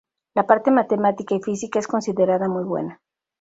La parte matemática y física es considerada muy buena.